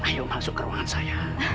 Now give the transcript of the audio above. ayo masuk ke ruangan saya